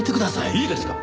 いいですか？